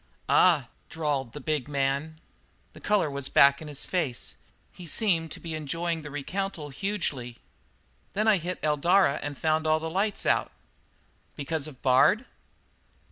"Ah h h!" drawled the big man. The colour was back in his face. He seemed to be enjoying the recountal hugely. "Then I hit Eldara and found all the lights out." "Because of Bard?"